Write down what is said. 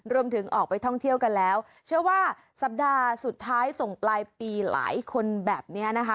ออกไปท่องเที่ยวกันแล้วเชื่อว่าสัปดาห์สุดท้ายส่งปลายปีหลายคนแบบนี้นะคะ